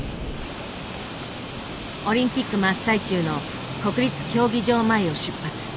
オリンピック真っ最中の国立競技場前を出発。